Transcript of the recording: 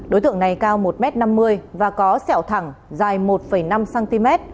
đối tượng này cao một m năm mươi và có sẹo thẳng dài một năm cm